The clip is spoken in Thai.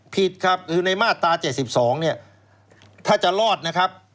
ผิดครับคือในมาตรา๗๒เนี่ยถ้าจะรอดนะครับ